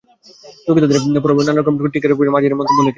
লোকে তাদের পড়া বইয়ে নানা রকম টীকাটিপ্পনি লেখে, মার্জিনে মন্তব্য লেখে।